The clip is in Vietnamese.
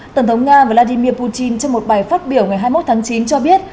tổng thống nga vladimir putin trong một bài phát biểu ngày hai mươi một tháng chín cho biết